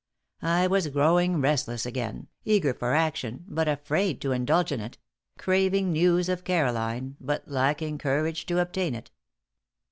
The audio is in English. I was growing restless again, eager for action, but afraid to indulge in it; craving news of Caroline, but lacking courage to obtain it.